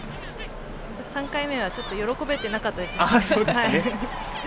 ３回目は喜べていなかったですね。